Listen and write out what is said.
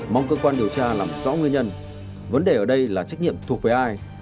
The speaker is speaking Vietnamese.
mong cơ quan điều tra làm rõ nguyên nhân vấn đề ở đây là trách nhiệm thuộc về ai